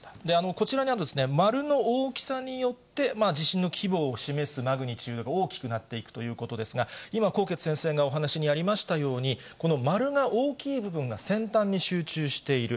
こちらにある丸の大きさによって、地震の規模を示すマグニチュード、大きくなっていくということですが、今、纐纈先生が、お話にありましたように、この丸が大きい部分が先端に集中している。